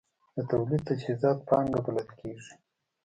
د تولید تجهیزات پانګه بلل کېږي.